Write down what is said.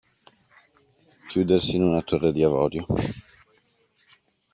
Chiudersi in una torre d'avorio.